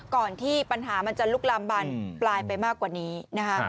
ก่อนที่ปัญหามันจะลุกลามบานปลายไปมากกว่านี้นะคะ